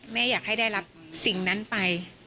แม่อยากให้ได้รับสิ่งนั้นไป